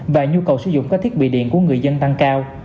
và nhu cầu sử dụng các thiết bị điện của người dân tăng cao